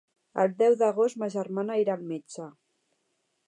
El deu d'agost ma germana irà al metge.